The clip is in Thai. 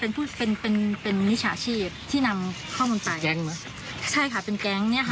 สองคือเขามีผ้าปิดตากทำไมธนาคารยังให้เปิดบัญชี